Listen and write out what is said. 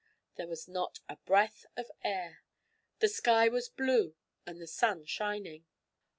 There was not a breath of air. The sky was blue and the sun shining.